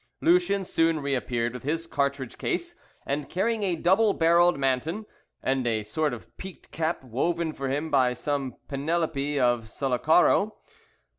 Lucien soon re appeared with his cartridge case, and carrying a double barrelled Manton, and a sort of peaked cap, woven for him by some Penelope of Sullacaro.